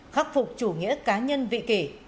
khắc phục chủ nghĩa cá nhân vị kỷ